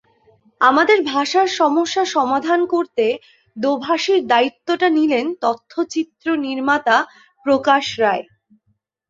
আমাদের ভাষার সমস্যা সমাধান করতে দোভাষীর দায়িত্বটা নিলেন তথ্যচিত্র নির্মাতা প্রকাশ রায়।